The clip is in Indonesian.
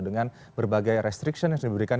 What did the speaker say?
dengan berbagai restriction yang diberikan